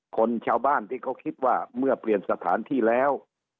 คนชาวบ้านที่เขาคิดว่าเมื่อเปลี่ยนสถานที่แล้ว